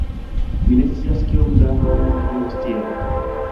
Mi ne scias kiom da homoj iros tien